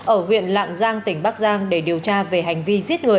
ở huyện lạng giang tỉnh bắc giang để điều tra về hành vi giết người